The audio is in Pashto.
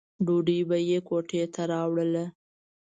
ډوډۍ به یې کوټې ته راوړله.